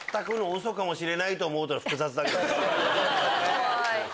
怖い！